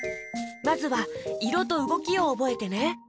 まずはいろとうごきをおぼえてね！